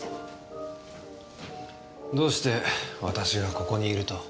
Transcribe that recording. どうして私がここにいると？